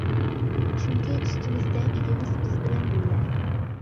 ! چۈنكى ئۈستىمىزدە ئىگىمىز بىز بىلەن بىللە!